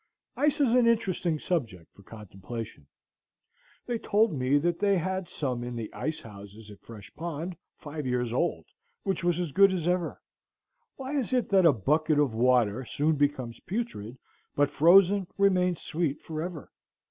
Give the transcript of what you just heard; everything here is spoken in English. Ice is an interesting subject for contemplation. They told me that they had some in the ice houses at Fresh Pond five years old which was as good as ever. Why is it that a bucket of water soon becomes putrid, but frozen remains sweet forever?